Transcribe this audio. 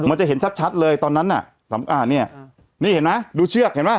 จะเห็นชัดชัดเลยตอนนั้นน่ะสำอ่าเนี่ยนี่เห็นไหมดูเชือกเห็นป่